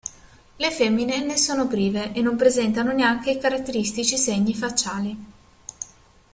Le femmine ne sono prive e non presentano neanche i caratteristici segni facciali.